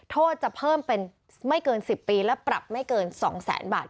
โทษจะเพิ่มเป็นไม่เกิน๑๐ปีและปรับไม่เกิน๒แสนบาท